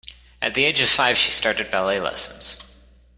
At the age of five she started ballet lessons.